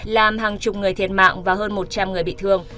làm hàng chục người thiệt mạng và hơn một trăm linh người bị thương